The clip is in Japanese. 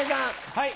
はい。